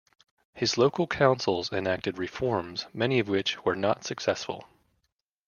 His local councils enacted reforms, many of which were not successful.